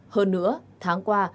hơn nữa tháng qua